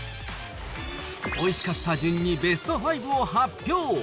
おいしかった順にベスト５を発表。